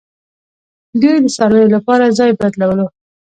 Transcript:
دوی د څارویو لپاره ځای بدلولو